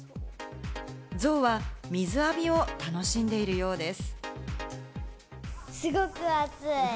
ゾウは水浴びを楽しんでいるようです。